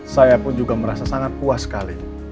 saya pun juga merasa sangat puas kali ini